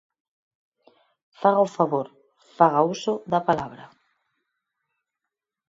Faga o favor, faga uso da palabra.